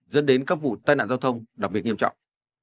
dẫn đến các vụ tai nạn giao thông đặc biệt nghiêm trọng